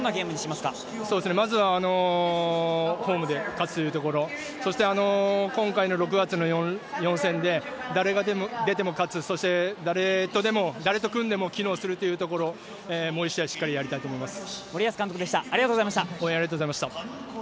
まずはホームで勝つというところそして、今回の６月の４戦で誰が出ても勝つそして、誰と組んでも機能するというところもう１試合しっかりやりたいと思います。